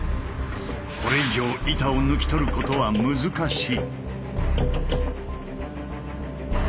これ以上板を抜き取ることは難しい。